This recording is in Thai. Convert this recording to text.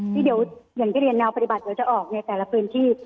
ที่เดี๋ยวอย่างที่เรียนแนวปฏิบัติเดี๋ยวจะออกในแต่ละพื้นที่